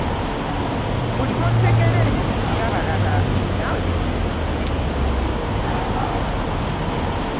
buli lw'otegeera ebizibu by'abalala naawe bikufuukira ekizibu.